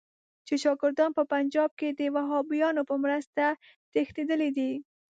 چې شاګردان په پنجاب کې د وهابیانو په مرسته تښتېدلي دي.